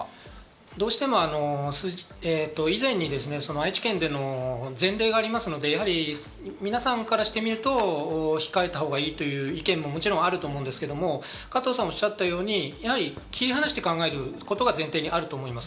どうしても以前に愛知県での前例がありますので、皆さんからしてみると、控えたほうがいいという意見ももちろんあると思うんですけど、加藤さんがおっしゃったように切り離して考えることが前提になると思います。